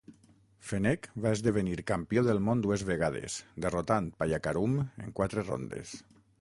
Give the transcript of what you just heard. Fenech va esdevenir campió del món dues vegades derrotant Payakarum en quatre rondes.